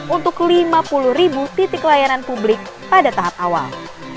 untuk lima puluh ribu titik layanan publik pada tahap awal